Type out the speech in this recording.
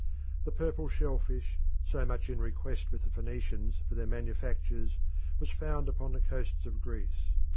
The purple shell fish, so much in request with the Phoenicians for their manufactures, was found upon the coasts of Greece.